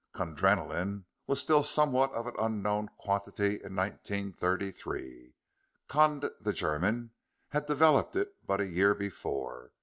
Kundrenaline was still somewhat of an unknown quantity in 1933. Kund, the German, had developed it but a year before.